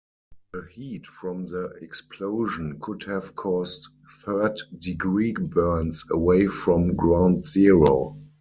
The heat from the explosion could have caused third-degree burns away from ground zero.